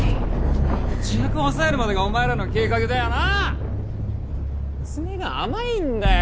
自白を押さえるまでがお前らの計画だよな⁉詰めが甘いんだよ